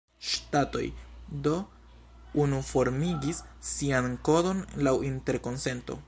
Ŝtatoj do unuformigis sian kodon laŭ interkonsento.